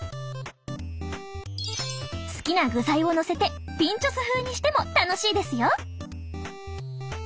好きな具材をのせてピンチョス風にしても楽しいですよ。